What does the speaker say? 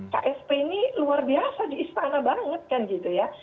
ksp ini luar biasa di istana banget kan gitu ya